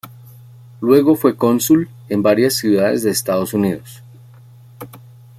Luego fue cónsul en varias ciudades de Estados Unidos.